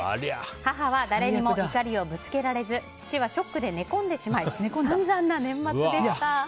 母は誰にも怒りをぶつけられず父はショックで寝込んでしまい散々な年末でした。